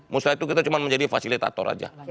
musrah itu kita cuma menjadi fasilitator aja